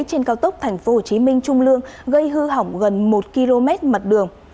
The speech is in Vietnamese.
trên cao tốc tp hcm trung lương gây hư hỏng gần một km mặt đường